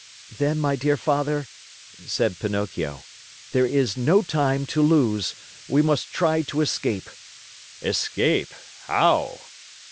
"Then, my dear Father," said Pinocchio, "there is no time to lose. We must try to escape." "Escape! How?"